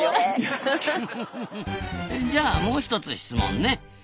じゃあもう一つ質問ね！